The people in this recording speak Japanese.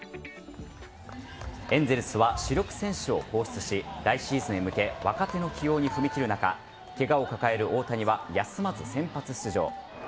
エンゼルスは主力選手を放出し来シーズンへ向け若手の起用に踏み切る中ケガを抱える大谷は休まず先発出場。